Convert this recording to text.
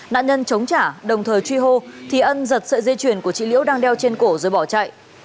nạn nhân chống trả đồng thời truy hô thì ân giật sợi dây chuyền của chị liễu đang đeo trên cổ rồi bỏ chạy